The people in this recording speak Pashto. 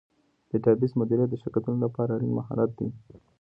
ډیټابیس مدیریت د شرکتونو لپاره اړین مهارت دی.